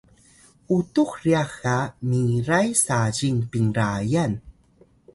utux ryax ga miray sazing pinrayan